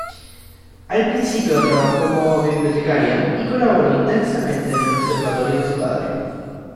Al principio trabajó como bibliotecaria y colaboró intensamente en el observatorio de su padre.